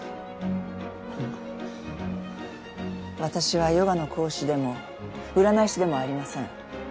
あの私はヨガの講師でも占い師でもありません。